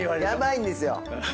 ヤバいんですよ。